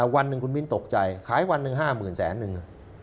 วันหนึ่งคุณมิ้นตกใจขายวันหนึ่ง๕๐๐๐แสนนึง